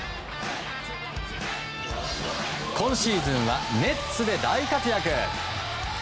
今シーズンはネッツで大活躍。